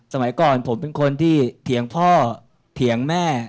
สมัยก่อนผมเป็นคนที่เถียงพ่อเถียงแม่